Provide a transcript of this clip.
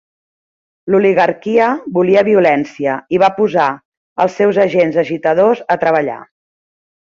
L'oligarquia volia violència i va posar els seus agents agitadors a treballar.